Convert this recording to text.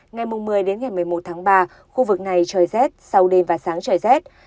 ngày một mươi một mươi một ba khu vực này trời rét sau đêm và sáng trời rét